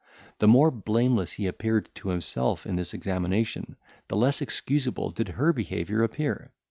The more blameless he appeared to himself in this examination, the less excusable did her behaviour appear.